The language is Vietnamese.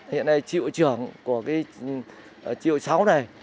hiện nay trị hội trưởng của trị hội sáu này